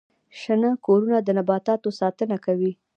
شنه کورونه د نباتاتو ساتنه کوي